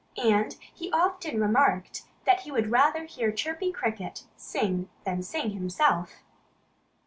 And he often remarked that he would rather hear Chirpy Cricket sing than sing himself.